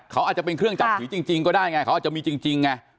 เขาอาจจะเป็นเครื่องจับผีจริงก็ได้ไงเขาอาจจะมีจริงไง